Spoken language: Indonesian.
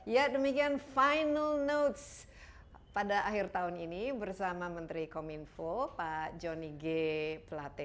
ya demikian final notes pada akhir tahun ini bersama menteri kominfo pak jonny g pelate